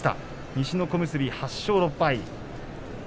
西の小結、８勝６敗。